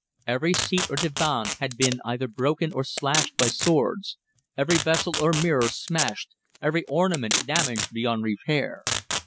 Every seat or divan had been either broken or slashed by swords, every vessel or mirror smashed, every ornament damaged beyond repair.